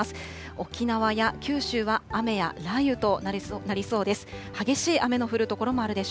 沖縄や九州は雨や雷雨となりそうです。